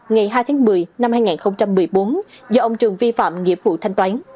ngày hai tháng một mươi năm hai nghìn một mươi bốn do ông trường vi phạm nghiệp vụ thanh toán